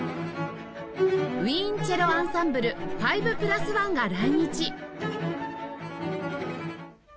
ウィーンチェロ・アンサンブル ５＋１ が来日！